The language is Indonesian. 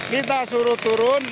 kita suruh turun